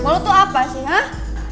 lu tuh apa sih